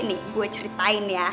nih gue ceritain ya